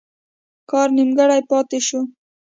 کار نیمګړی پاته شو.